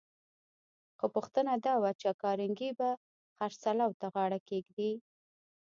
خو پوښتنه دا وه چې کارنګي به خرڅلاو ته غاړه کېږدي؟